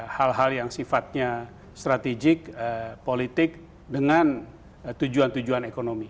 dan tidak lagi memisahkan hal hal yang sifatnya strategik atau politik dengan tujuan tujuan ekonomi